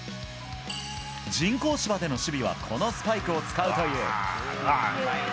人工芝での守備はこのスパイクを使うという。